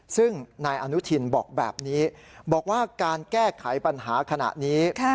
ซึ่งนายอนุทินบอกแบบนี้บอกว่าการแก้ไขปัญหาขณะนี้